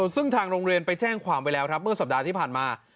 ซึ่งทางโรงเรียนไปแจ้งความไว้แล้วครับเมื่อสัปดาห์ที่ผ่านมา